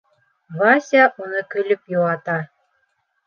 Вася уны көлөп йыуата: